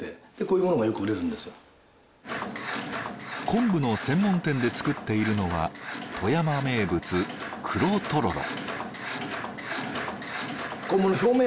昆布の専門店で作っているのは富山名物黒とろろ。